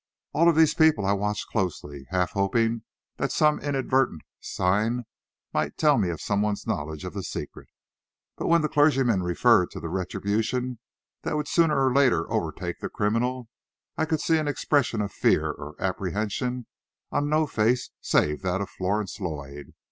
All of these people I watched closely, half hoping that some inadvertent sign might tell me of someone's knowledge of the secret. But when the clergyman referred to the retribution that would sooner or later overtake the criminal. I could see an expression of fear or apprehension on no face save that of Florence Lloyd.